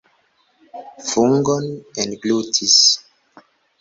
Fungon englutis!